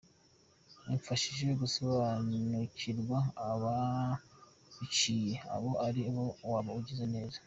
Umfashije gusobanukurwa ” ababiciye” abo ali bo waba ugize neza